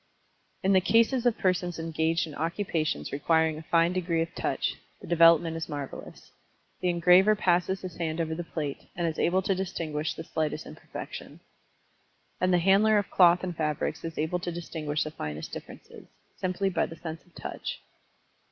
In the cases of persons engaged in occupations requiring a fine degree of Touch, the development is marvelous. The engraver passes his hand over the plate, and is able to distinguish the slightest imperfection. And the handler of cloth and fabrics is able to distinguish the finest differences, simply by the sense of touch.